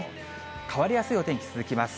変わりやすいお天気続きます。